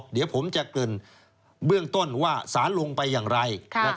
เดี๋ยวผมจะเกริ่นเบื้องต้นว่าสารลงไปอย่างไร